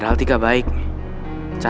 dan mau terus benar apa yang kamu cakap